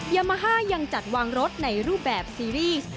ยามาฮ่ายังจัดวางรถในรูปแบบซีรีส์